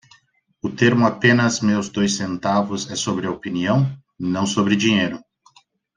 O termo "apenas meus dois centavos" é sobre a opinião? não sobre dinheiro.